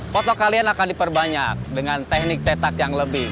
foto kalian akan diperbanyak dengan teknik cetak yang lebih